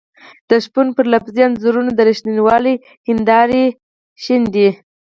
د شپون پر لفظي انځورونو د رښتینولۍ هېندارې شيندي.